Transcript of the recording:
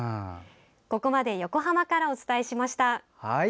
ここまで横浜からお伝えしました。